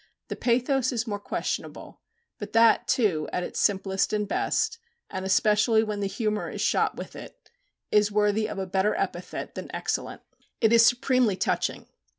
The pathos is more questionable, but that too, at its simplest and best; and especially when the humour is shot with it is worthy of a better epithet than excellent. It is supremely touching.